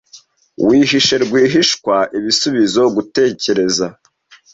Wihishe rwihishwa ibisubizo), gutekereza